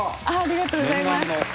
ありがとうございます。